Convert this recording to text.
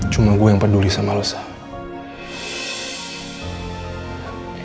cuma gue yang peduli sama yosan